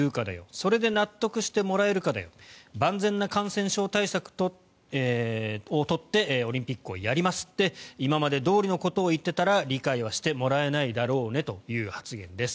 そこで納得してもらえるかだよ万全な感染症対策を取ってオリンピックをやりますって今までどおりのことを言ってたら理解はしてもらえないだろうねという発言です。